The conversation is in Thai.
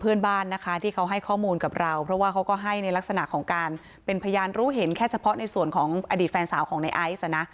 เพื่อนบ้านนะคะที่เขาให้ข้อมูลกับเราเพราะว่าเขาก็ให้ในลักษณะของการเป็นพยานรู้เห็นแค่เฉพาะในส่วนของอดีตแฟนสาวของในไอซ์